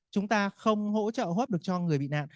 chúng ta không hỗ trợ hấp được cho người bị nạn